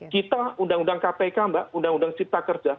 kita undang undang kpk mbak undang undang cipta kerja